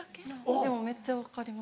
でもめっちゃ分かります。